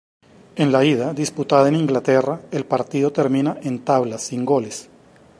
En la ida, disputada en Inglaterra, el partido termina en tablas sin goles.